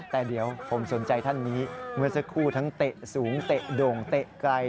แต่เดี๋ยวผมสนใจท่านนี้เมื่อสักครู่ทั้งเตะสูงเตะโด่งเตะไกล